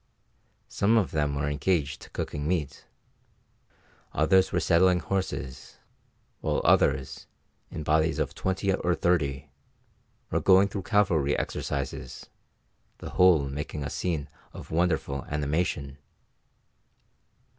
Some of them were engaged cooking meat, others were saddling horses, while others, in bodies of twenty or thirty, were going through cavalry exercises, the whole making a scene of wonderful animation.